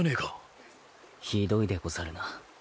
ひどいでござるな。